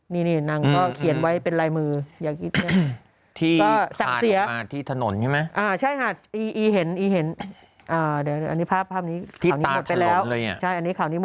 นี่นี่นางเขียนไว้เป็นรายมืออย่างนี้